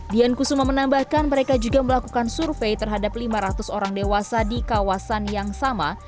dian kusuma menambahkan mereka juga melakukan survei terhadap lima ratus orang dewasa di kawasan yang sama